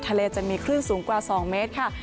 ทะเลจะมีคลื่นสูงกว่า๒เมตรค่ะ